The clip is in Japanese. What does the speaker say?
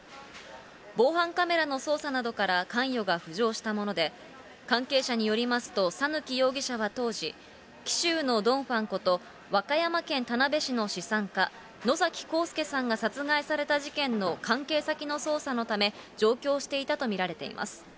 防犯カメラの捜査などから、関与が浮上したもので、関係者によりますと、讃岐容疑者は当時、紀州のドン・ファンこと、和歌山県田辺市の資産家、野崎幸助さんが殺害された事件の関係先の捜査のため、上京していたと見られています。